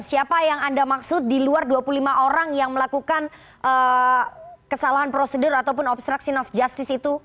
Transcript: siapa yang anda maksud di luar dua puluh lima orang yang melakukan kesalahan prosedur ataupun obstruction of justice itu